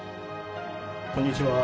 こんにちは。